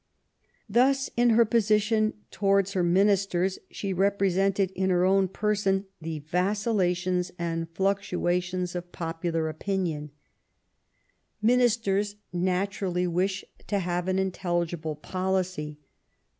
Thus in her position towards her ministers she represented in her own person the vacillations and fluctuations of popular opinion. 20 3o6 QUEEN ELIZABETH. Ministers naturally wish to have an intelligible policy.